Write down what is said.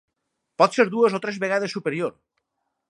Potser dues o tres vegades superior.